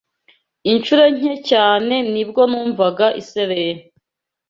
Inshuro nke cyane nibwo numvaga isereri